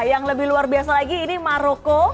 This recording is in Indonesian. yang lebih luar biasa lagi ini maroko